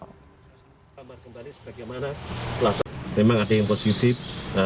kita akan kembali sebagaimana memang ada yang positif tiga ratus